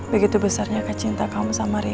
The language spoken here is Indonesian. begitu besarnya kecinta kamu sama ri